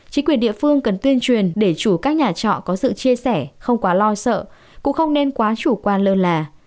chính quyền địa phương cần tuyên truyền để chủ các nhà trọ có sự chia sẻ không quá lo sợ cũng không nên quá chủ quan lơ là